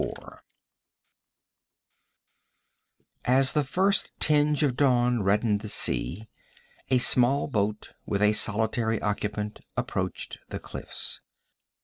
4 As the first tinge of dawn reddened the sea, a small boat with a solitary occupant approached the cliffs.